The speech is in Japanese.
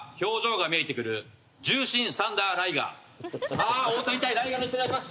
さあ大谷対ライガーの一戦であります！